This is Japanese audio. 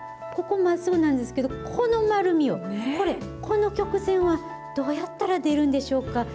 ここ、まっすぐなんですけれども、この丸みを、これ、この曲線はどうやったら出るんでしょうか。